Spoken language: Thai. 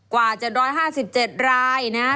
กว่าจะ๑๕๗รายนะ